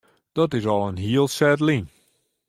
Dat is al in hiel set lyn.